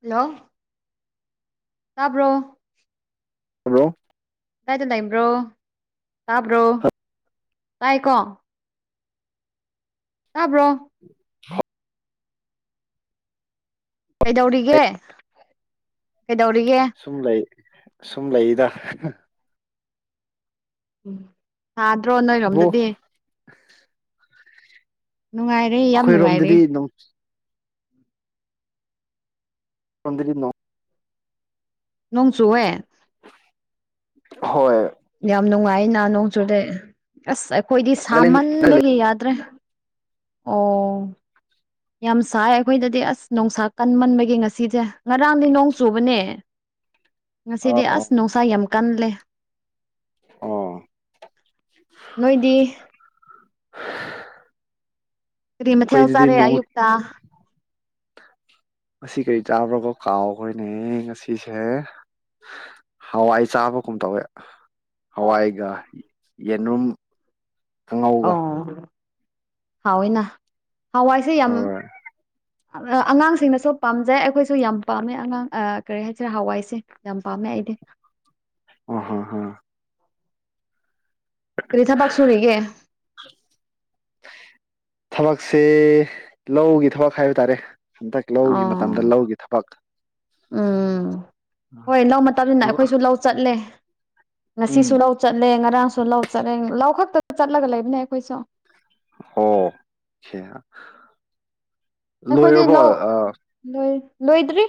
hello ꯇꯥꯕ꯭ꯔꯣ hello ꯂꯩꯥꯏꯗ ꯂꯩꯕ꯭ꯔꯣ ꯇꯥꯕ꯭ꯔꯣ ꯇꯥꯏꯀꯣ ꯇꯥꯕ꯭ꯔꯣ [inaudible] ꯀꯩꯗꯧꯔꯤꯒꯦ ꯀꯩꯗꯧꯔꯤꯒꯦ ꯁꯨꯝ ꯂꯩ ꯁꯨꯝ ꯂꯩꯗ ꯎꯝ ꯁꯥꯗ꯭ꯔꯣ ꯕꯣ ꯅꯣꯏꯔꯣꯝꯗꯗꯤ [inaudible] ꯅꯨꯡꯉꯥꯏꯔꯦ ꯌꯥꯝ ꯅꯨꯡꯉꯥꯏꯔꯦ ꯑꯩꯈꯣꯏꯔꯣꯝꯗꯗꯤ ꯑꯗꯨꯝ ꯇꯗ ꯅꯣ ꯅꯣꯡꯣꯡ ꯆꯨꯋꯦ ꯍꯣꯏ ꯏꯅꯥ ꯅꯣꯡꯖꯨꯗꯩ ꯑꯁ ꯑꯩꯈꯣꯏꯗꯤ ꯅꯥꯒꯥꯂꯦꯟꯗ ꯂꯩ ꯁꯥꯃꯟꯗꯒꯤ ꯌꯥꯗ꯭ꯔꯦ ꯑꯣ ꯌꯥꯝ ꯁꯥꯏ ꯑꯩꯈꯣꯏꯗꯗꯤ ꯑꯁ ꯣꯡꯁꯥ ꯀꯟꯃꯟꯕꯒꯤꯦ ꯉꯁꯤꯁꯦ ꯉꯔꯥꯡꯗꯤ ꯅꯣꯡ ꯆꯨꯕꯅꯦ ꯑ ꯉꯁꯤꯗꯤ ꯑꯣ ꯑꯁ ꯅꯨꯡꯁꯥ ꯌꯥꯝ ꯀꯜꯂꯦ ꯑꯣ ꯅꯣꯏꯗꯤ ꯀꯔꯤ ꯃꯊ ꯑꯩꯈꯣꯏꯗꯗꯤ ꯍꯦꯜꯁꯥꯔꯦ ꯅꯣꯡ ꯑꯌꯛꯇ ꯉꯁꯤ ꯀꯔꯤ ꯆꯥꯕ꯭ꯔꯣꯒꯣ ꯀꯥꯎꯈꯣꯏꯅꯦ ꯉꯁꯤꯁꯦ ꯍꯋꯥꯏ ꯆꯥꯕ ꯀꯨꯝ ꯇꯧꯋꯦ ꯍꯋꯥꯏꯒ ꯌꯦꯅꯨꯝ ꯀꯥꯡꯉꯧꯒ ꯍꯥꯎꯋꯏꯅ ꯍꯋꯥꯏꯁꯦ ꯌꯥꯝ ꯍꯣꯏ ꯑꯉꯥꯡꯁꯤꯡꯅꯁꯨ ꯄꯥꯝꯖꯩ ꯑꯩꯈꯣꯏꯁꯨ ꯌꯥꯝ ꯄꯥꯝꯃꯦ ꯑꯉꯥꯡ ꯀꯔꯤ ꯍꯥꯏꯁꯤꯔꯦ ꯍꯋꯥꯏꯁꯦ ꯌꯥꯝ ꯄꯥꯝꯃꯦ ꯥꯏꯗꯤ ꯑꯣ ꯍ ꯍ ꯔꯔꯤꯊꯥ ꯄꯥꯛꯁꯨꯔꯤꯒꯦ ꯊꯕꯛꯁꯦ ꯂꯧꯒꯤ ꯊꯕꯛ ꯍꯥꯏꯕ ꯇꯥꯔꯦ ꯍꯟꯗꯛ ꯂꯧꯒꯤ ꯑꯣ ꯃꯇꯝꯗ ꯂꯧꯒꯤ ꯊꯕꯛ ꯎꯝ ꯍꯣꯏ ꯂꯧ ꯃꯇꯝꯅꯤꯁꯤꯅ ꯑꯩꯈꯣꯏꯁꯨ ꯂꯧ ꯆꯠꯂꯦ ꯎꯝ ꯉꯁꯤꯁꯨ ꯂꯧ ꯆꯠꯂꯦ ꯉꯔꯥꯡꯁꯨ ꯂꯧ ꯆꯠꯂꯦ ꯂꯧ ꯈꯛꯇꯗ ꯆꯠꯂꯒ ꯂꯩꯕꯅꯦ ꯑꯩꯈꯣꯏꯁꯨ ꯑꯣꯣ ꯁꯤꯦ ꯑꯩꯈꯣꯏꯗꯤ ꯂꯣꯏꯔꯕꯣ ꯂꯧ ꯑ ꯂꯣꯏ ꯂꯣꯏꯗ꯭ꯔꯤ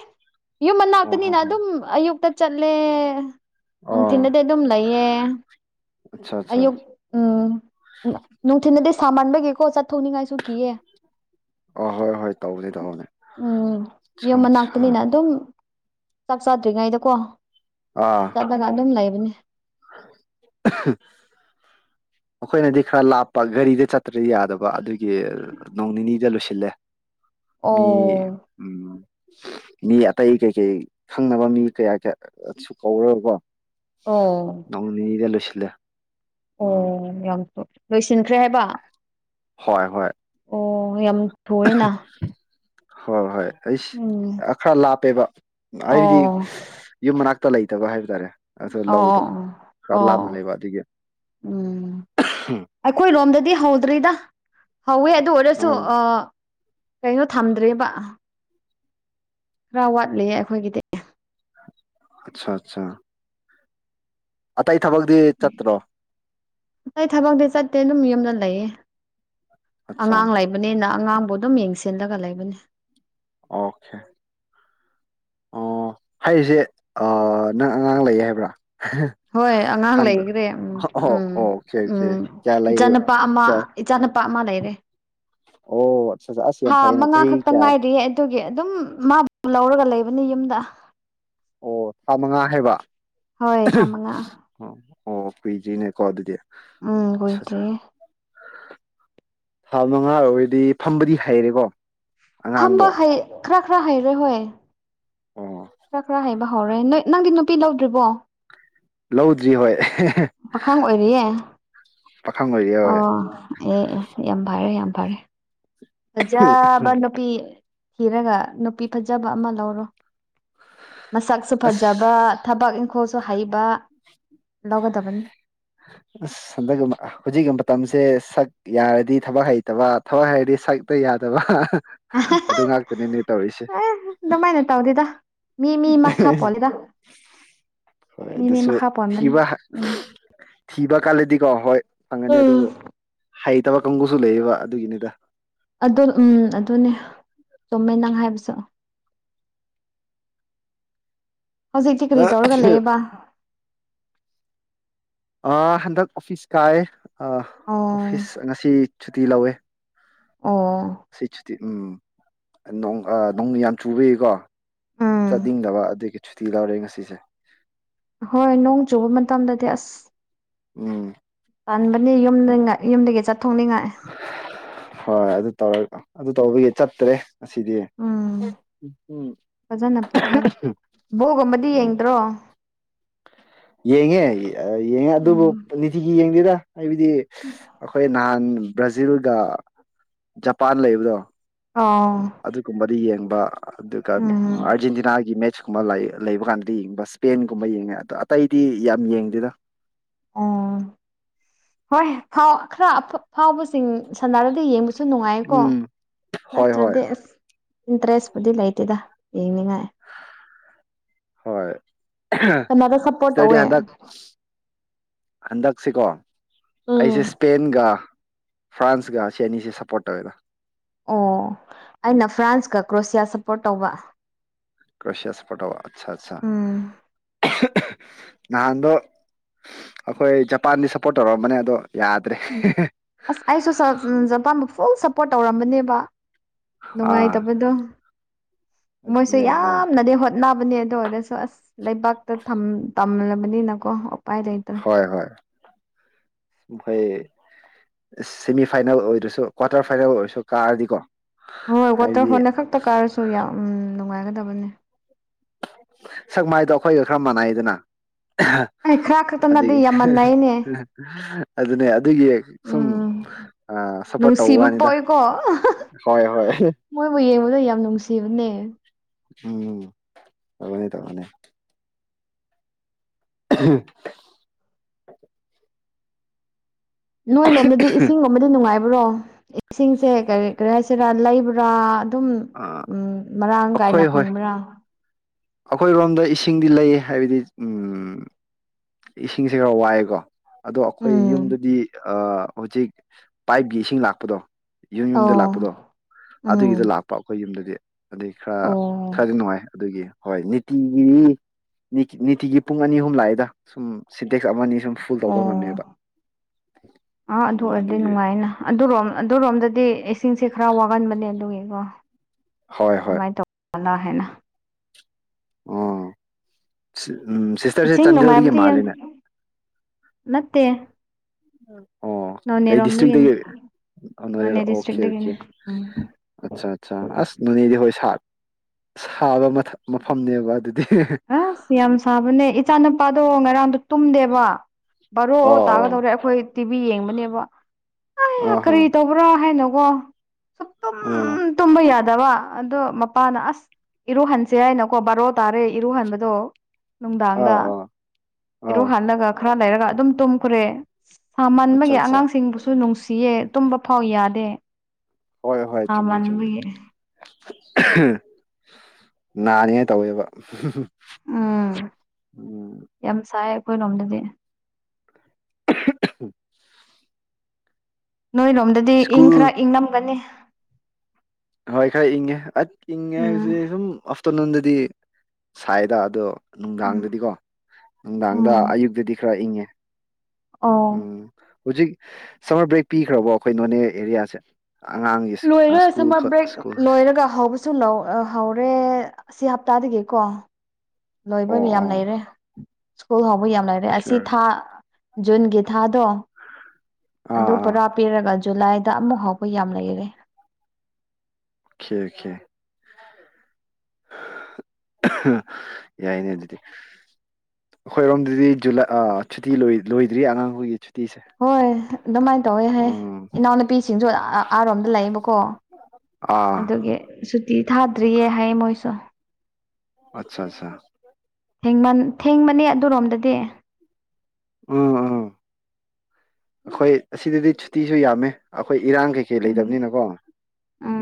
ꯌꯨꯝ ꯍꯣ ꯃꯅꯥꯛꯇꯅꯤꯅ ꯍꯣ ꯑꯗꯨꯝ ꯑꯌꯨꯛꯇ ꯆꯠꯂꯦ ꯑꯣ ꯅꯨꯡꯊꯤꯅꯗꯤ ꯑꯗꯨꯝ ꯂꯩꯌꯦ ꯑꯠꯆꯥ ꯑꯠꯆꯥ ꯑꯣ ꯎꯝ ꯅꯅꯨꯡ ꯊꯅꯗꯤ ꯁꯥꯃꯟꯕꯒꯤꯀꯣ ꯆꯠꯊꯣꯛꯅꯤꯡꯉꯥꯏꯁꯨ ꯀꯤꯌꯦ ꯑ ꯍꯣꯏ ꯍꯣꯏ ꯇꯧꯕꯅꯦ ꯇꯧꯕꯅꯦ ꯎꯝ ꯑꯠꯆꯥ ꯌꯨꯝ ꯑꯠꯆꯥ ꯃꯅꯥꯛꯇꯅꯤꯅ ꯑꯗꯨꯝ ꯆꯥꯛ ꯆꯥꯗ꯭ꯔꯤꯉꯩꯗꯀꯣ ꯑꯥ ꯆꯠꯂꯒ ꯑꯗꯨꯝ ꯂꯩꯕꯅꯦ [inaudible] [inaudible] ꯃꯈꯣꯏꯅꯗꯤ ꯈꯔ ꯂꯥꯞꯄ ꯒꯥꯔꯤꯗ ꯆꯠꯇ꯭ꯔ ꯌꯥꯗꯕ ꯑꯗꯨꯒꯤ ꯅꯣꯡ ꯅꯤꯅꯤꯗ ꯂꯣꯏꯁꯤꯜꯂꯦ ꯃꯤ ꯑꯣ ꯎꯝ ꯃꯤ ꯑꯇꯩ ꯀꯩꯀꯩ ꯈꯪꯅꯕ ꯃꯤ ꯀꯌꯥ ꯀꯌꯥꯁꯨ ꯀꯧꯔꯒꯀꯣ ꯑꯣ ꯅꯗꯂꯣꯁꯂ ꯑꯣ ꯌꯥꯝ ꯂꯣꯏꯁꯤꯟꯈ꯭ꯔꯦ ꯍꯥꯏꯕ ꯍꯣꯏ ꯍꯣꯏ ꯑꯣ ꯌꯥꯝ ꯊꯣꯛꯑꯦꯅ ꯍꯣꯏ ꯍꯣꯏ ꯑꯩꯁ ꯈꯔ ꯂꯥꯞꯄꯦꯕ ꯑꯣ ꯍꯥꯏꯕꯗꯤ ꯌꯨꯝ ꯃꯅꯥꯛ ꯇ ꯂꯩꯇꯕ ꯍꯥꯏꯕ ꯇꯥꯔꯦ ꯑꯗꯨ ꯑꯣ ꯂꯧꯗꯣ ꯑꯣ ꯑꯣ ꯈꯔ ꯑꯣ ꯂꯥꯞꯅ ꯂꯩꯕ ꯑꯗꯨꯒꯤ ꯎꯝ ꯑꯩꯈꯣꯏ ꯂꯣꯝꯗ ꯗꯤ ꯍꯗ꯭ꯔꯔꯤꯗ ꯍꯋꯦ ꯑꯗꯨ ꯑꯣꯔꯁꯨ ꯑꯥ ꯑ ꯀꯩꯅꯣ ꯊꯝꯗ꯭ꯔꯦꯕ ꯈꯔ ꯋꯥꯠꯂꯤꯌꯦ ꯑꯩꯈꯣꯏꯒꯤꯗꯤ ꯑꯆꯥ ꯑꯠꯆꯥ ꯑꯇꯩ ꯊꯕꯛꯇꯤ ꯆꯠꯇ꯭ꯔꯣ ꯑꯇꯩ ꯊꯕꯛꯇꯗꯤꯤ ꯆꯠꯇꯦ ꯑꯗꯨꯝ ꯌꯨꯝꯗ ꯂꯩꯌꯦ ꯑꯠꯆꯥ ꯑꯉꯥꯡ ꯂꯩꯕꯅꯤꯅ ꯑꯉꯥꯡꯕꯨ ꯑꯗꯨꯝ ꯌꯦꯡꯁꯤꯜꯂꯒ ꯂꯩꯕꯅꯤ ꯑꯣꯀꯦ ꯑꯣ ꯍꯥꯏꯔꯤꯁꯦ ꯅꯪ ꯑꯉꯥꯡ ꯂꯩꯌꯦ ꯍꯥꯏꯕ꯭ꯔꯥ ꯍꯣꯏ ꯑꯉꯥꯡ ꯈꯪꯗ ꯂꯩꯈ꯭ꯔꯦ ꯎꯝ ꯑꯣ ꯎꯝ ꯑꯣꯀꯦ ꯑꯣꯀꯦ ꯎꯝ ꯀꯌꯥ ꯂꯩ ꯏꯆꯥꯅꯨꯄꯥ ꯑꯃ ꯀꯌꯥ ꯏꯆꯥ ꯑꯃ ꯂꯩꯔꯦ ꯑꯣ ꯑꯠꯆꯥ ꯑꯠꯆꯥ ꯑꯁ ꯌꯥꯝ ꯍꯥ ꯐꯩꯅ ꯃꯉꯥ ꯆꯍꯤ ꯈꯛꯇ ꯀꯌꯥ ꯉꯥꯏꯔꯤꯌꯦ ꯑꯗꯨꯒꯤ ꯑꯗꯨꯝ ꯃꯥꯕꯨ ꯂꯧꯔꯒ ꯂꯩꯕꯅꯤ ꯌꯨꯝꯗ ꯑꯣ ꯊꯥ ꯃꯉꯥ ꯍꯥꯏꯕ ꯍꯣꯏ ꯊꯥ ꯃꯉꯥ ꯑꯣ ꯑꯣ ꯄꯤꯖꯤꯅꯦꯀꯣ ꯑꯗꯨꯗꯤ ꯎꯝ ꯑꯠꯆꯥ ꯑꯠꯆꯥ ꯍꯣꯏꯇ꯭ꯔꯤ ꯊꯥ ꯃꯉꯥ ꯑꯣꯏꯔꯗꯤ ꯐꯝꯕꯗꯤ ꯍꯩꯔꯦꯀꯣ ꯐꯝꯕ ꯑꯉꯥꯡꯗꯣ ꯈꯔ ꯈꯔ ꯍꯩꯔꯦ ꯍꯣꯏ ꯑꯣ ꯈꯔ ꯈꯔ ꯍꯕ ꯍꯧꯔꯦ ꯅꯣꯏ ꯅꯪꯗꯤ ꯅꯨꯄꯤ ꯂꯧꯗ꯭ꯔꯤꯕꯣ ꯂꯧꯗ꯭ꯔꯤ ꯍꯣꯏ ꯄꯥꯈꯪ ꯑꯣꯏꯔꯤꯌꯦ ꯄꯥꯈꯪ ꯑꯣꯏꯔꯤ ꯑꯣ ꯍꯣꯏ ꯑꯦ ꯑꯦ ꯌꯥꯝ ꯐꯔꯦ ꯌꯥꯝ ꯐꯔꯦ ꯐꯖꯕ ꯅꯨꯄꯤ ꯍꯤꯔꯒ ꯅꯨꯄꯤ ꯐꯖꯕ ꯑꯃ ꯂꯧꯔꯣ ꯃꯁꯛꯁꯨ ꯐꯖꯕ ꯑꯁ ꯊꯕꯛ ꯏꯪꯈꯣꯜꯁꯨ ꯍꯩꯕ ꯂꯧꯒꯗꯕꯅꯤ ꯑ ꯁꯟꯗꯒ ꯍꯨꯖꯤꯒꯃ ꯃꯇꯝꯁꯦ ꯁꯛ ꯌꯥꯔꯗꯤ ꯊꯕꯛ ꯍꯩꯇꯕ ꯊꯕꯛ ꯍꯩꯔꯗꯤ ꯁꯛꯇ ꯌꯥꯗꯕ ꯑꯗꯨ ꯉꯥꯛꯇꯅꯤꯅꯦ ꯇꯧꯔꯤꯁꯦ ꯑꯗꯨꯃꯥꯏꯅ ꯇꯧꯗꯦꯗ ꯃꯤ ꯃꯤ ꯃꯥ ꯈꯥ ꯄꯂꯦꯗ ꯍꯣꯏ ꯑꯗꯨꯁꯨ ꯊꯤꯕ ꯎꯝ ꯊꯤꯕ ꯀꯜꯂꯗꯤꯀꯣ ꯍꯣꯏ ꯐꯪꯒꯅꯤ ꯑꯗꯨꯕꯨ ꯍꯩꯇꯕ ꯀꯥꯡꯕꯨꯨꯁꯨ ꯂꯩꯌꯦꯕ ꯑꯗꯨꯒꯤꯅꯤꯗ ꯑꯗꯨ ꯎꯝ ꯑꯗꯨꯅꯦ ꯆꯣꯃꯦ ꯅꯪ ꯍꯥꯏꯕꯁ [unintelligible] ꯍꯧꯖꯤꯛꯇꯤ ꯀꯔꯤ ꯇꯧꯔꯒ ꯂꯩꯌꯦꯕ ꯑ ꯍꯟꯗꯛ ꯑꯣꯐꯤꯁ ꯀꯥꯏ ꯑꯣ ꯑꯣꯐꯤꯁ ꯉꯁꯤ ꯁꯨꯇꯤ ꯂꯧꯋꯦ ꯑ ꯁꯤ ꯁꯨꯇꯤ ꯎꯝ ꯅꯣꯡꯃ ꯌꯥꯝ ꯆꯨꯕꯀꯣ ꯎꯝ ꯆꯠꯅꯤꯡꯗꯕ ꯑꯗꯨꯒꯤ ꯁꯨꯇꯤ ꯂꯧꯎꯔꯦ ꯉꯁꯤꯁꯦ ꯍꯣꯏ ꯅꯣꯡ ꯆꯨꯕ ꯃꯇꯝꯗꯗꯤ ꯑꯁ ꯎꯝ ꯆꯥꯟꯕꯅꯤ ꯌꯨꯝ ꯌꯨꯝꯗꯒꯤ ꯆ ꯍꯣꯏ ꯑꯗꯨ ꯇꯧꯔꯒ ꯑꯗꯨ ꯇꯧꯕꯒꯤ ꯆꯠꯇ꯭ꯔꯦ ꯑꯁꯤꯁꯤꯗꯤ ꯎꯝ ꯐꯖꯅ ꯄꯣꯊꯥꯔꯣ ꯕꯣꯒꯨꯝꯕꯗꯤ ꯎꯝ ꯌꯦꯡꯗ꯭ꯔꯣ ꯌꯦꯡꯉꯦ ꯌꯦꯡꯉꯦ ꯑꯗꯨꯕꯨ ꯎꯝ ꯂꯤꯊꯤꯒꯤ ꯌꯦꯡꯗꯦꯗ ꯑꯩꯕꯗꯤ ꯑꯩꯈꯣꯏ ꯅꯍꯥꯟ ꯕ꯭ꯔꯥꯖꯤꯜꯒ ꯖꯄꯥꯟ ꯂꯩꯕꯗꯣ ꯑꯣ ꯑꯗꯨꯒꯨꯝꯕꯗꯤ ꯌꯦꯡꯕ ꯑꯗꯨꯒ ꯎꯝ ꯑꯥꯔꯖꯦꯟꯇꯤꯅꯥꯒꯤ ꯃꯦꯠꯆ ꯨ ꯂꯩꯕ ꯀꯥꯟꯗ ꯌꯦꯡꯕ ꯏꯁꯄꯦꯟꯒꯨꯝꯕ ꯌꯦꯡꯉꯦ ꯑꯗꯣ ꯑꯇꯩꯗꯤ ꯌꯥꯝ ꯌꯦꯡꯗꯦꯗ ꯑꯣ ꯍꯣꯏ ꯈꯔ ꯐꯥꯎꯕꯁꯤꯡ ꯁꯟꯗꯥꯔꯗ ꯌꯦꯡꯕ ꯁꯨ ꯅꯨꯡꯉꯥꯏꯀꯣ ꯎꯝ ꯍꯣꯏ ꯍꯣꯏ ꯅꯠꯇ꯭ꯔꯗꯤ ꯑꯁ ꯏꯟꯇꯔꯦꯁꯄꯨꯗꯤ ꯂꯩꯇꯦꯗ ꯌꯦꯡꯅꯤꯡꯉꯥꯏ ꯍꯣꯏ ꯀꯅꯥꯗ ꯁꯞꯄꯣꯔꯠ ꯁꯤꯇꯔꯗꯤ ꯇꯧꯋꯦ ꯍꯟꯗꯛ ꯍꯟꯗꯛ ꯁꯤꯀꯣ ꯎꯝ ꯑꯩꯁꯦ ꯁꯄꯦꯟꯒ ꯐ꯭ꯔꯥꯟꯁꯒ ꯆꯌꯥꯅꯤꯁꯤꯦ ꯁꯄꯣꯔꯠꯧꯋꯦꯗ ꯑꯣ ꯑꯩꯅ ꯐ꯭ꯔꯥꯟꯁꯀ ꯀ꯭ꯔꯣꯁꯤꯌꯥ ꯁꯄꯣꯔꯠ ꯇꯧꯕ ꯀꯁꯤꯌꯥꯁ ꯄꯠꯇꯣ ꯑꯆꯥ ꯑꯆꯥ ꯎꯝ ꯅꯍꯥꯟꯗ ꯑꯩꯈꯣꯏ ꯖꯄꯥꯟꯗꯤ ꯁꯞꯄꯣꯔꯠ ꯇꯧꯔꯛꯑꯝꯕꯅꯦ ꯑꯗꯣ ꯌꯥꯗ꯭ꯔꯦ ꯑꯁ ꯑꯩꯁꯨ ꯖꯄꯥꯥꯟꯃꯛ ꯐꯨꯜ ꯁꯞꯄꯣꯔꯠ ꯇꯧꯔꯝꯕꯅꯦꯕ ꯑꯥ ꯅꯨꯡꯉꯥꯏꯇꯕꯗꯣ ꯃꯣꯏꯁꯦ ꯑꯗꯨꯅꯦ ꯍꯣꯏ ꯌꯥꯝꯅꯗꯤ ꯍꯣꯠꯅ ꯅꯥꯕꯅꯦ ꯑꯗꯨ ꯑꯣꯏꯔꯁꯨ ꯑꯁ ꯂꯩꯕꯥꯛꯇ ꯇꯝꯂꯕꯅꯤꯅꯀꯣ ꯎꯄꯥꯏ ꯂꯩꯇ꯭ꯔꯦ ꯐꯣꯏ ꯁꯦꯃꯤ ꯐꯥꯏꯅꯦꯜ ꯑꯣꯏꯔꯁꯨ ꯀ꯭ꯋꯥꯇꯔ ꯐꯥꯏꯅꯦꯜ ꯑꯣꯏꯔꯁꯨ ꯀꯥꯔꯗꯤꯀꯣ ꯍꯣꯏ ꯋꯥꯇꯔ ꯍꯥꯏꯕꯗꯤ ꯐꯣꯟꯅ ꯈꯛꯇ ꯀꯥꯔꯁꯨ ꯌꯥꯝ ꯅꯨꯡꯉꯥꯏꯒꯗꯕꯅꯤ ꯁꯛ ꯃꯥꯏꯗꯣ ꯑꯩꯈꯣꯏꯒ ꯈꯔ ꯃꯥꯟꯅꯩꯗꯅ ꯑꯩ ꯈꯔ ꯈꯛꯇ ꯅꯠꯇꯦ ꯑꯗꯨꯗꯒꯤ ꯌꯥꯝꯃꯟꯅꯩꯅꯦ ꯑꯗꯨꯅꯦ ꯑꯗꯨꯒꯤ ꯁꯨꯝ ꯎꯝ ꯑ ꯁꯞꯄꯣꯔꯠ ꯇꯧꯕ ꯅꯨꯡꯁꯤꯕ ꯋꯥꯅꯤꯗ ꯄꯣꯛꯏꯀꯣ ꯍꯣꯏ ꯍꯣꯏ ꯃꯣꯏꯕꯨ ꯌꯦꯡꯕꯗ ꯌꯥꯝ ꯅꯨꯡꯁꯤꯕꯅꯦ ꯎꯝ ꯇꯕꯅꯤ ꯇꯃꯅꯤ ꯎ ꯅꯣꯏ ꯂꯣꯝꯗꯗꯤ ꯏꯁꯤꯡ ꯂꯣꯝꯗꯤ ꯅꯨꯡꯉꯥꯏꯕ ꯭ꯔꯣ ꯏꯁꯤꯡꯁꯦ ꯀꯔꯤ ꯀꯔꯤ ꯍꯥꯏꯁꯤꯔꯥ ꯂꯩꯕ꯭ꯔꯥ ꯑꯗꯨꯝ ꯎꯝ ꯃꯔꯥꯡ ꯑꯩꯈꯣꯏ ꯀꯥꯏꯅ ꯍꯣꯏ ꯐꯪꯕ꯭ꯔꯥ ꯑꯩꯈꯣꯏꯔꯣꯝꯗ ꯏꯁꯤꯡꯗꯤ ꯂꯩꯌꯦ ꯍꯥꯏꯕꯗꯤ ꯎꯝ ꯏꯁꯤꯡꯁꯦ ꯈꯔ ꯋꯥꯏꯑꯦꯀꯣ ꯑꯗꯣ ꯑꯩꯈꯣꯏ ꯎꯝ ꯌꯨꯝꯗꯗꯤ ꯍꯧꯖꯤꯛ ꯄꯥꯏꯞꯀꯤ ꯏꯁꯤꯡ ꯂꯥꯛꯄꯗꯣ ꯌꯨꯝ ꯑꯣ ꯌꯨꯝꯗ ꯂꯥꯛꯄꯗꯣ ꯎꯝ ꯑꯗꯨꯒꯤꯗ ꯂꯥꯛꯄ ꯑꯩꯈꯣꯏ ꯌꯨꯝꯗꯗꯤ ꯑꯗꯨꯩ ꯈꯔ ꯑꯣ ꯈꯔꯗꯤ ꯅꯨꯡꯉꯥꯏ ꯑꯗꯨꯒꯤ ꯍꯣꯏ ꯅꯤꯇꯤꯒꯤ ꯅꯤꯇꯤꯒꯤ ꯄꯨꯡ ꯑꯅꯤ ꯑꯍꯨꯝ ꯂꯥꯛꯏꯗ ꯁꯨꯝ ꯁꯤꯇꯦꯛꯁ ꯑꯃꯅꯤ ꯁꯨꯝ ꯐꯨꯜ ꯇꯧꯕ ꯑꯣ ꯉꯝꯃꯦꯕ ꯑꯥ ꯑꯗꯨ ꯎꯝ ꯑꯣꯏꯔꯗꯤ ꯑꯗꯨꯒꯤ ꯅꯨꯡꯉꯥꯏꯅ ꯑꯗꯨꯔꯣꯝ ꯑꯗꯨꯔꯣꯝꯗꯗꯤ ꯏꯁꯤꯡꯁꯦ ꯈꯔ ꯋꯥꯒꯟꯕꯅꯦ ꯑꯗꯨꯒꯤꯀꯣ ꯍꯣꯏ ꯍꯣꯏ ꯀꯃꯥꯏꯅ ꯇꯧꯕꯖꯥꯠꯂꯥ ꯍꯥꯏꯅ ꯑꯣ ꯎꯝ ꯁꯤꯁꯇꯔꯁꯦ ꯏꯁꯤꯡ ꯆꯟꯗ꯭ꯔꯦꯜꯗꯒꯤ ꯃꯥꯂꯦꯅꯦ ꯃꯠꯇꯦ ꯑꯣ ꯀꯩ ꯗꯤꯁꯇ꯭ꯔꯤꯛꯇꯒꯤꯔ ꯅꯣꯅꯦ ꯑꯣꯀꯦ ꯑꯣꯀꯦ ꯗꯤꯁꯇ꯭ꯔꯤꯛꯇꯒꯤꯅꯤ ꯎꯝ ꯑꯠꯆꯥ ꯑꯠꯆꯥ ꯑꯁ ꯅꯣꯅꯦꯗꯤ ꯍꯣꯏ ꯁꯥꯕ ꯃꯐꯝꯅꯦꯕ ꯑꯗꯨꯗꯤ ꯑꯁ ꯌꯥꯝ ꯁꯥꯕꯅꯦ ꯏꯆꯥ ꯅꯨꯨꯄꯥꯗꯣ ꯉꯔꯥꯡꯗꯣ ꯇꯨꯝꯗꯦꯕ ꯕꯥꯔꯣ ꯑꯣ ꯑꯣ ꯇꯥꯒꯗꯧꯔꯦ ꯑꯩꯈꯣꯏ ꯇꯤꯚꯤ ꯌꯦꯡꯕꯅꯦꯕ ꯑ ꯀꯔꯤ ꯇꯧꯕ꯭ꯔꯥ ꯍꯥꯏꯅ ꯋꯥ ꯁꯨꯝ ꯑ ꯇꯝꯕ ꯌꯥꯗ ꯐꯗꯕ ꯑꯗꯣ ꯃꯄꯥꯅ ꯑꯁ ꯏꯔꯨꯍꯟꯁꯦ ꯍꯥꯏꯅꯀꯣ ꯕꯥꯔꯣ ꯇꯥꯔꯦ ꯏꯔꯨꯍꯟꯕꯗꯣ ꯑꯥ ꯅꯨꯡꯗꯥꯡꯗ ꯑꯥ ꯑꯥ ꯏꯔꯨꯍꯜꯂꯒ ꯈꯔ ꯂꯩꯔꯒ ꯑꯗꯨꯝ ꯇꯨꯝꯈ꯭ꯔꯦ ꯑꯠꯆꯥ ꯁꯥꯃꯟꯕꯒꯤ ꯑꯠꯆꯥ ꯑꯉꯥꯡꯁꯤꯡꯕꯨꯁꯨ ꯅꯨꯡꯁꯤꯌꯦ ꯇꯨꯝꯕ ꯐꯥꯎ ꯌꯥꯗꯦ ꯍꯣꯏ ꯍꯣꯏ ꯆꯨꯝꯃꯦꯃꯦ ꯆꯨꯝꯃꯦ ꯁꯥꯃꯟꯕꯒꯤ ꯅꯥꯅꯤꯡꯉꯥꯏ ꯇꯧꯋꯦꯕ ꯎꯝ ꯎꯝ ꯌꯥꯝ ꯁꯥꯏ ꯑꯩꯈꯣꯏ ꯂꯣꯝꯗꯗꯤ [inaudible] ꯅꯣꯏꯔꯣꯝꯗꯗꯤ ꯏꯪ ꯈꯔ ꯁ꯭ꯀꯨꯜ ꯏꯪ ꯅꯝꯒꯅꯤ ꯍꯣꯏ ꯈꯔ ꯏꯪꯉꯦ ꯑꯠ ꯏꯪꯉꯦ ꯍꯥꯏꯁꯦ ꯎꯝ ꯁꯨꯝ ꯑꯐꯇꯔꯅꯨꯟꯗꯗꯤ ꯁꯥꯏꯗ ꯑꯗꯣ ꯅꯨꯡꯗꯥꯡꯗꯗꯤꯀꯣ ꯅꯨꯡꯗꯥꯡꯗ ꯎꯝ ꯑꯌꯨꯛꯇꯗꯤ ꯈꯔ ꯏꯪꯉꯦ ꯑꯣ ꯎꯝ ꯍꯧꯖꯤꯛ ꯁꯝꯃꯔ ꯕ꯭ꯔꯦꯛ ꯄꯤꯈ꯭ꯔꯕꯣ ꯑꯩꯈꯣꯏ ꯅꯣꯅꯦ ꯑꯦꯔꯤꯌꯥꯁꯦ ꯑꯉꯥꯡꯒꯤ ꯂꯣꯏꯔꯣꯏ ꯁ꯭ꯀꯨꯜ ꯁꯝꯃꯔ ꯕ꯭ꯔꯦꯛ ꯁ꯭ꯀꯨꯜ ꯂꯣꯏꯔꯒ ꯍꯧꯕꯁꯨ ꯂꯧ ꯍꯧꯔꯦ ꯁꯤ ꯍꯞꯇꯥꯗꯒꯤꯀꯣ ꯂꯣꯏꯕ ꯑꯣ ꯃꯤꯌꯥꯝ ꯑꯣ ꯂꯩꯔꯦ ꯁ꯭ꯀꯨꯜ ꯍꯥꯎꯕ ꯌꯥꯝ ꯂꯩꯥꯏꯔꯦ ꯑꯁꯤ ꯑꯣꯀꯦ ꯊꯥ ꯖꯨꯟꯒꯤ ꯊꯥꯗꯣ ꯑꯥ ꯑꯗꯨ ꯑꯥ ꯄꯨꯔꯥ ꯄꯤꯔꯒ ꯖꯨꯂꯥꯏꯗ ꯑꯃꯨꯛ ꯐꯥꯎꯕ ꯌꯥꯝ ꯂꯩꯔꯦ ꯈꯦ ꯍꯦ ꯌꯥꯏꯅꯦ ꯑꯗꯨꯗꯤ ꯑꯩꯈꯣꯏꯔꯣꯝꯗꯗꯤ ꯖꯨꯂꯥꯏ ꯁꯨꯇꯤ ꯂꯣꯏꯗ꯭ꯔꯤ ꯑꯉꯥꯡꯈꯣꯏꯒꯤ ꯁꯨꯇꯤꯁꯦ ꯍꯣꯏ ꯑꯗꯨꯃꯥꯏꯅ ꯇꯧꯋꯦ ꯍꯥꯏ ꯎꯝ ꯏꯅꯥꯎꯅꯨꯄꯤꯁꯤꯡꯁꯨ ꯑꯥꯔꯣꯝꯗ ꯂꯩꯕꯀꯣ ꯑꯥ ꯑꯗꯨꯒꯤ ꯁꯨꯇꯤ ꯊꯥꯗ꯭ꯔꯤꯌꯦ ꯍꯥꯏ ꯃꯣꯏꯁꯨ ꯑꯆꯥ ꯑꯠꯆꯥ ꯊꯦꯡꯕꯅꯦ ꯑꯗꯨꯔꯣꯝꯗꯗꯤ ꯎꯝ ꯎꯝ ꯑꯩꯈꯣꯏ ꯑꯁꯤꯗꯗꯤ ꯁꯨꯇꯤꯁꯨ ꯌꯥꯝꯃꯦ ꯑꯩꯈ ꯑꯩꯈꯣꯏ ꯏꯔꯥꯡ ꯀꯩꯀꯩ ꯎꯝ ꯂꯩꯇꯕꯅꯤꯅꯀꯣ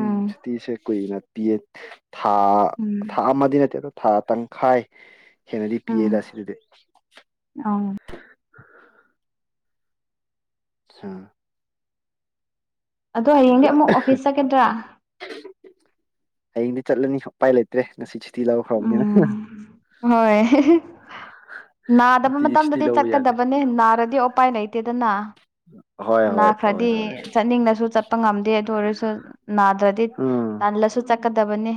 ꯎ ꯁꯨꯇꯤꯁꯦ ꯀꯨꯏꯅ ꯄꯤꯌꯦ ꯊꯥ ꯊꯥ ꯎꯝ ꯑꯃꯗꯤ ꯅꯠꯇꯦ ꯑꯗꯣ ꯊꯥ ꯇꯪꯈꯥꯏ ꯍꯦꯟꯅꯗꯤ ꯄꯤꯌꯦꯗ ꯎꯝ ꯁꯤꯗꯨꯗꯤ ꯑ ꯑꯆꯥ [inaudible] ꯑꯗꯣ ꯍꯌꯦꯡꯗꯤ ꯑꯃꯨꯛ ꯑꯣꯐꯤꯁ ꯆꯠꯀꯗ꯭ꯔꯥ ꯍꯌꯦꯡꯗꯤ ꯆꯠꯂꯅꯤ ꯎꯄꯥꯏ ꯂꯩꯇ꯭ꯔꯦ ꯉꯁꯤꯁꯦ ꯎꯝ ꯍꯣꯏ ꯅꯥꯗꯕ ꯅꯨꯡꯇꯤꯒꯤ ꯁꯨꯇꯤ ꯃꯇꯝꯗꯗꯤ ꯂꯧꯕ ꯌꯥꯗꯦ ꯆꯠꯀꯗꯕꯅꯦ ꯅꯥꯔꯗꯤ ꯎꯄꯥꯏ ꯂꯩꯇꯦꯗꯅ ꯍꯣꯏ ꯍꯣꯏ ꯇꯧꯋꯦ ꯅꯥꯈ꯭ꯔꯗꯤ ꯇꯧꯋꯦ ꯆꯠꯅꯤꯡꯂꯁꯨ ꯆꯠꯄ ꯉꯝꯗꯦ ꯑꯗꯨ ꯑꯣꯏꯔꯁꯨ ꯅꯥꯗ꯭ꯔꯗꯤ ꯎꯝ ꯇꯜꯂꯁꯨ ꯥꯛꯀꯗꯕꯅꯤ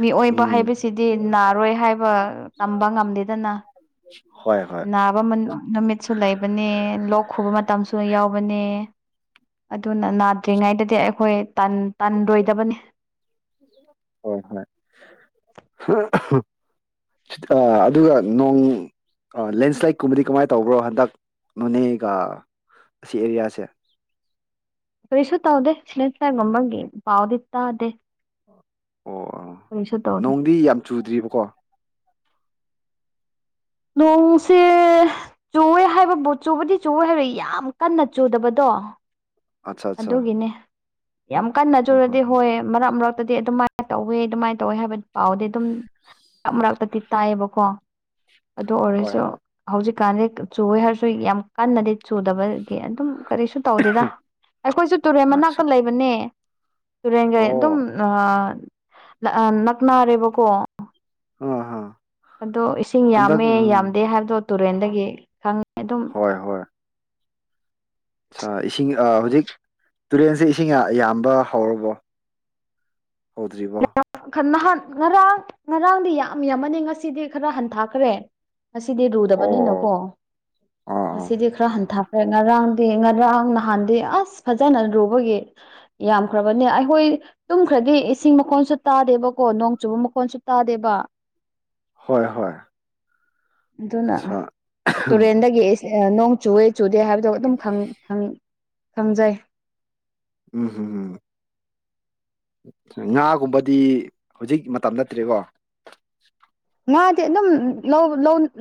ꯃꯤꯑꯣꯏꯕ ꯎꯝ ꯍꯥꯏꯕꯁꯤꯗꯤ ꯅꯥꯔꯣꯏ ꯍꯥꯏꯕ ꯇꯝꯕ ꯉꯝꯗꯦꯗꯅ ꯍꯣꯏ ꯍꯣꯏ ꯅꯥꯕ ꯅꯨꯃꯤꯠꯁꯨ ꯂꯩꯕꯅꯦ ꯂꯣꯛ ꯈꯨꯕ ꯃꯇꯝꯁꯨ ꯌꯥꯎꯕꯅꯦ ꯑꯗꯨꯅ ꯅꯥꯗ꯭ꯔꯤꯉꯩꯗꯗꯤ ꯑꯩꯈꯣꯏ ꯇꯟꯔꯣꯏꯗꯕꯅꯤ ꯍꯣꯏ ꯍꯣꯏ ꯑꯗꯨꯒ ꯅꯣꯡ ꯑ ꯂꯦꯟꯁ꯭ꯂꯥꯏꯠ ꯀꯨꯝꯕꯗꯤ ꯀꯃꯥꯏꯅ ꯇꯧꯕ꯭ꯔꯣ ꯍꯟꯗꯛ ꯅꯣꯅꯦꯒ ꯑꯁꯤ ꯑꯦꯔꯤꯌꯥꯁꯦ ꯀꯔꯤꯁꯨ ꯇꯧꯗꯦꯁꯥꯒꯨꯝꯕꯒꯤ ꯄꯥꯎꯗꯤ ꯇꯥꯗꯦ ꯑꯣ ꯀꯔꯤꯁꯨ ꯇꯧꯗꯦ ꯅꯣꯡꯗꯤ ꯌꯥꯝ ꯆꯨꯗ꯭ꯔꯤꯕꯀꯣ ꯅꯣꯡꯁꯦ ꯆꯨꯋꯦ ꯍꯥꯏꯕꯕꯨ ꯆꯨꯕꯗꯤ ꯆꯨꯋꯦ ꯍꯥꯏꯕ ꯌꯥꯝ ꯀꯟꯅ ꯆꯨꯗꯕꯗꯣ ꯑ [inaudible] ꯑꯠꯆꯥ ꯑꯠꯆꯥ ꯑꯗꯨꯒꯤꯅꯦ ꯌꯥꯝ ꯑ ꯍ ꯀꯟꯅꯖꯨꯔꯗꯤ ꯍ ꯍꯣꯏ ꯃꯔꯛ ꯃꯔꯛꯇꯗꯤ ꯑꯗꯨꯃꯥꯏꯅ ꯇꯧꯋꯦ ꯑꯗꯨꯃꯥꯏꯅ ꯇꯧꯋꯦ ꯍꯥꯏꯕ ꯄꯥꯎꯗꯤ ꯑꯗꯨꯝ ꯃꯔꯛ ꯃꯔꯛꯇꯗꯤ ꯇꯥꯏꯑꯕꯀꯣ ꯑꯗꯨ ꯍꯣꯏ ꯑꯣꯏꯔꯁꯨ ꯍꯣꯏ ꯍꯧꯖꯤꯛꯀꯥꯟꯗꯤ ꯆꯨꯦ ꯍꯥꯏꯔꯁꯨ ꯌꯥꯝ ꯀꯟꯅꯗꯤ ꯆꯨꯗꯕ ꯒꯤ ꯑꯗꯨꯝ ꯀꯔꯤꯁꯨ ꯇꯧꯗꯦꯗ ꯑꯩꯈꯣꯏꯁꯨ ꯇꯨꯔꯦꯟ ꯃꯅꯥꯛꯇ ꯑꯠꯆꯥ ꯂꯩꯕꯅꯦ ꯇꯨꯔꯦꯟꯒꯩ ꯑꯣ ꯑꯗꯨꯝ ꯅꯛꯅꯔꯦꯕꯀꯣ ꯑꯥ ꯍꯥ ꯑꯗꯣ ꯏꯁꯤꯡ ꯍꯟꯗꯛ ꯌꯥꯝꯃꯦ ꯎꯝ ꯌꯥꯝꯗꯦ ꯍꯥꯏꯕꯗꯣ ꯇꯨꯔꯦꯟꯗꯒꯤ ꯈꯪ ꯍꯣꯏ ꯍꯣꯏ ꯑ ꯏꯁꯤꯡ ꯍꯧꯖꯤꯛ ꯇꯨꯔꯦꯟꯁꯦ ꯏꯁꯤꯡ ꯌꯥꯝꯕ ꯍꯧꯔꯕꯣ ꯍꯧꯗ꯭ꯔꯤꯕꯣ ꯈꯟꯅ ꯍꯥꯥꯟ ꯉꯔꯥꯡ ꯉꯔꯥꯡꯗꯤ ꯌꯥꯝ ꯌꯥꯝꯃꯅꯤ ꯉꯁꯤꯗꯤ ꯈꯔ ꯍꯟꯊꯈ꯭ꯔꯦ ꯉꯗꯤ ꯑꯣ ꯑꯣ ꯔꯨꯗꯕꯅꯤꯅꯀꯣ ꯑꯥ ꯑꯥ ꯉꯁꯤꯗꯤ ꯈꯔ ꯍꯟꯊ ꯍꯣꯏ ꯉꯔꯥꯡꯗꯤ ꯉꯔꯥꯡ ꯅꯍꯥꯟꯗꯤ ꯑꯁ ꯐꯖꯅ ꯂꯨꯕꯒꯤ ꯌꯥꯝꯈ꯭ꯔꯕꯅꯦ ꯑꯩꯈꯣꯏ ꯇꯨꯝꯈ꯭ꯔꯗꯤ ꯏꯁꯤꯡ ꯃꯈꯣꯟꯁꯨ ꯇꯥꯗꯦꯕꯀꯣ ꯅꯣꯡ ꯆꯨꯕ ꯃꯈꯣꯟꯁꯨ ꯇꯥꯗꯦꯕ ꯍꯣꯏ ꯍꯣꯏ ꯑꯗꯨꯅ ꯁꯥ ꯇꯨꯔꯦꯟꯗꯒꯤ ꯅꯣꯡ ꯆꯨꯋꯦ ꯆꯨꯗꯦ ꯍꯥꯏꯕꯗꯣ ꯑꯗꯨꯝ ꯈꯪꯖꯩ ꯎꯝ ꯎꯝ ꯎꯝ ꯉꯥꯒꯨꯝꯕꯗꯤ ꯍꯧꯖꯤꯛ ꯃꯇꯝ ꯅꯠꯇ꯭ꯔꯦꯀꯣ ꯉꯗꯤ ꯑꯗꯨꯝ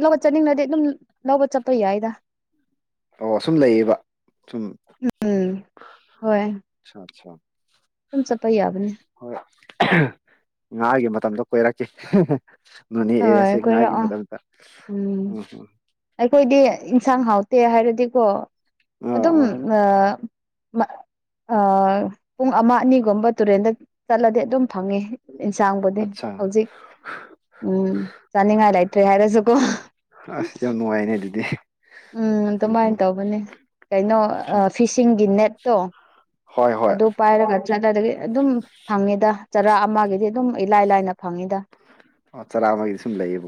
ꯂꯧꯕ ꯆꯠꯅꯤꯡꯂꯗꯤ ꯑꯗꯨꯝ ꯂꯧꯕ ꯆꯠꯄ ꯌꯥꯏꯗ ꯑꯣ ꯁꯨꯝ ꯂꯩꯌꯦꯕ ꯁꯨꯝ ꯎꯝ ꯍꯣꯏ ꯑ ꯑꯗꯨꯝ ꯆꯠꯄ ꯌꯥꯕꯅꯤ ꯍꯣꯏ ꯉꯥꯒꯤ ꯃ ꯃꯇꯝꯗ ꯀꯣꯏꯔꯛꯀꯦ ꯅꯣꯅꯦ ꯍꯣꯏ ꯑꯦꯔꯤꯌꯥꯁꯦ ꯉꯥꯒꯤ ꯀꯣꯏꯔꯛꯑꯣ ꯃꯇꯝꯗ ꯎꯝ ꯎꯝꯝ ꯑꯗꯨꯗꯤꯀꯣ ꯑꯥ ꯑꯗꯨꯝ ꯑꯥ ꯄꯨꯡ ꯑꯃ ꯑꯅꯤꯒꯨꯝꯕ ꯇꯨꯔꯦꯟꯗ ꯆꯠꯂꯗꯤ ꯑꯗꯨꯝ ꯐꯪꯉꯤ ꯏꯟꯁꯥꯡꯕꯨꯗꯤ ꯑꯠꯆꯥ ꯍꯧꯖꯤꯛ ꯎꯝ ꯆꯅꯤꯡ ꯉꯥꯏꯂꯥꯏꯇ꯭ꯔꯦ ꯍꯥꯏꯔꯁꯨ ꯀꯣ ꯑꯁ ꯌꯥꯝ ꯅꯨꯡꯉꯥꯏꯅꯦ ꯑꯗꯨꯗꯤ ꯎꯝ ꯑꯗꯨꯃꯥꯏꯅ ꯇꯧꯕꯅꯦ ꯀꯩꯅꯣ ꯐꯤꯁꯤꯡꯒꯤ ꯅꯠꯇꯣ ꯍꯣꯏ ꯍꯣꯏ ꯑꯗꯨ ꯄꯥꯏꯔꯒ ꯆꯠꯅꯗꯒꯤ ꯑꯗꯨꯝ ꯐꯪꯉꯦꯗ ꯆꯔꯥ ꯑꯃꯒꯤꯗꯤ ꯑꯗꯨꯝ ꯏꯂꯥꯏ ꯂꯥꯏꯅ ꯐꯪꯉꯤꯗ ꯆꯔꯥ ꯑꯃꯒꯤꯗꯤ ꯁꯨꯝ ꯂꯩꯌꯦꯕꯀꯣ